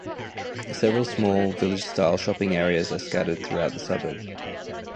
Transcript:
Several small, village style shopping areas are scattered throughout the suburb.